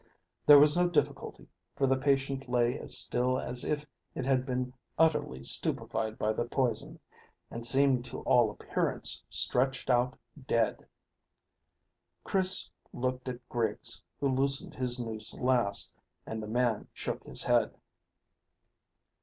There was no difficulty, for the patient lay as still as if it had been utterly stupefied by the poison, and seemed to all appearance stretched out dead. Chris looked at Griggs, who loosened his noose last, and the man shook his head.